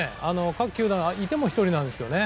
各球団いても１人なんですよね。